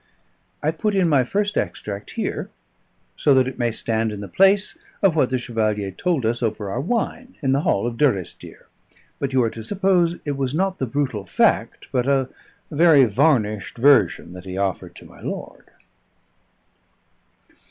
I put in my first extract here, so that it may stand in the place of what the Chevalier told us over our wine in the hall of Durrisdeer; but you are to suppose it was not the brutal fact, but a very varnished version that he offered to my lord.